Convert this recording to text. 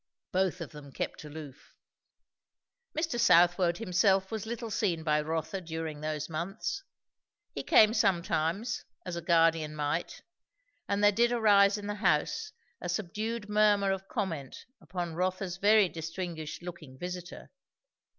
Both of them kept aloof. Mr. Southwode himself was little seen by Rotha during those months. He came sometimes, as a guardian might; and there did arise in the house a subdued murmur of comment upon Rotha's very distinguished looking visiter.